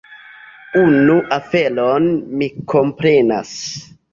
Unu aferon mi komprenas.